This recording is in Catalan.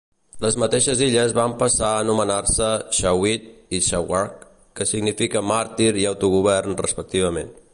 Les mateixes illes van passar a anomenar-se "Shaheed" i "Swaraj", que significa "màrtir" i "autogovern", respectivament.